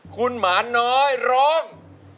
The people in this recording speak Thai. คุณหมาน้อยร้อง